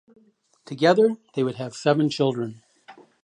Together they would have seven children.